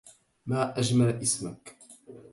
ما أجمل إسمك.